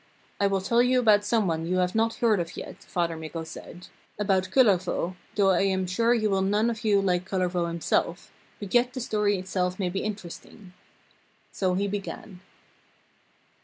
'I will tell you about some one you have not heard of yet,' Father Mikko said; 'about Kullervo, though I am sure you will none of you like Kullervo himself but yet the story itself may be interesting.' So he began.